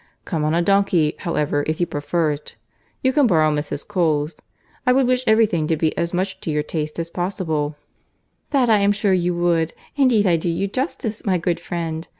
Come on a donkey, however, if you prefer it. You can borrow Mrs. Cole's. I would wish every thing to be as much to your taste as possible." "That I am sure you would. Indeed I do you justice, my good friend.